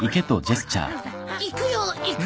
行くよ行く。